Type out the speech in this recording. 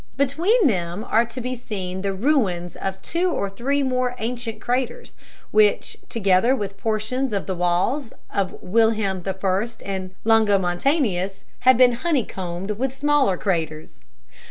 Between them are to be seen the ruins of two or three more ancient craters which, together with portions of the walls of Wilhelm I and Longomontanus, have been honeycombed with smaller craters.